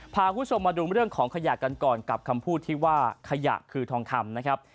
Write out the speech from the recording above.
พาคุณผู้ชมมาดูเรื่องของขยะกันก่อนกับคำพูดที่ว่าขยะคือทองคำนะครับ